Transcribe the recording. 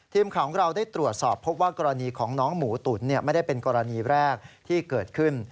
ทีมข่าวของเราได้ตรวจสอบพบว่ากรณีของน้องหมูตุ๋นไม่ได้เป็นกรณีแรกที่เกิดขึ้น